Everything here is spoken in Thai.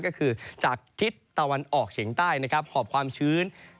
ก็คือจากทิศตะวันออกเฉียงใต้นะครับหอบความชื้น